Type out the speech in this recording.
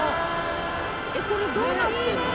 これどうなってるの？